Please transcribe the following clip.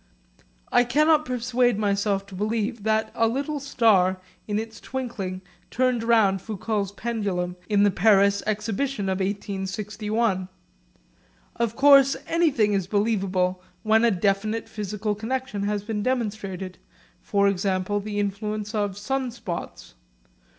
I cannot persuade myself to believe that a little star in its twinkling turned round Foucault's pendulum in the Paris Exhibition of 1861. Of course anything is believable when a definite physical connexion has been demonstrated, for example the influence of sunspots.